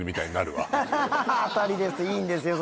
いいんですよ